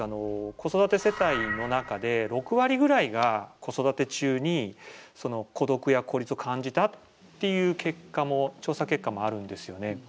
子育て世帯の中で６割ぐらいが子育て中に孤独や孤立を感じたっていう結果も調査結果もあるんですよね。